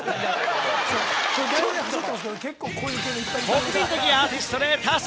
国民的アーティストで多才！